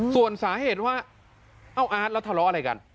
ส่วนสาเหตุว่าเอ้าอาร์ตแล้วทะเลาะอะไรกัน